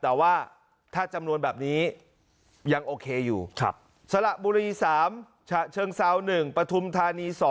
แต่ว่าถ้าจำนวนแบบนี้ยังโอเคอยู่สระบุรี๓ฉะเชิงเซา๑ปฐุมธานี๒